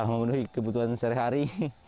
memenuhi kebutuhan sehari hari